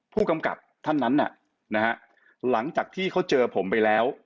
ผู้กำกับท่านนั้นหลังจากที่เขาเจอผมไปแล้ว